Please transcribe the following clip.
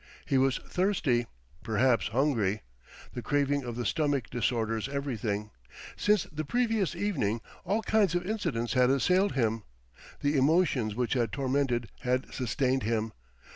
He was thirsty; perhaps hungry. The craving of the stomach disorders everything. Since the previous evening all kinds of incidents had assailed him. The emotions which had tormented had sustained him.